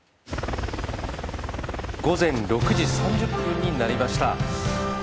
午前６時３０分になりました。